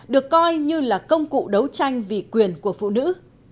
được coi như là công cụ đấu tranh vì quyền của phụ nữ